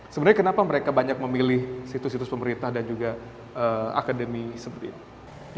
sebenarnya kenapa mereka banyak memilih situs situs pemerintah dan juga akademi seperti ini